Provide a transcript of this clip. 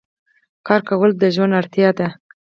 کار کول د ژوند اړتیا ده.